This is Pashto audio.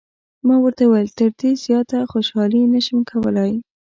ما ورته وویل: تر دې زیاته خوشحالي نه شم کولای.